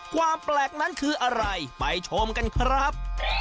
ความแปลกนั้นคืออะไรไปชมกันครับ